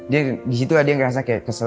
dia di situ dia ngerasa kayak kesel